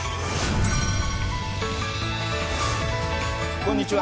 こんにちは。